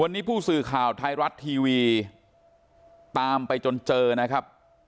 วันนี้ผู้สื่อข่าวไทยรัฐทีวีตามไปจนเจอนะครับ